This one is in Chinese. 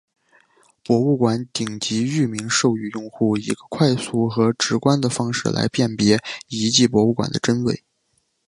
博物馆顶级域名授予用户一个快速和直观的方式来辨别遗址博物馆的真伪。